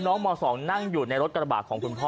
ม๒นั่งอยู่ในรถกระบาดของคุณพ่อ